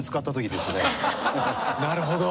なるほど。